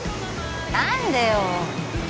何でよ？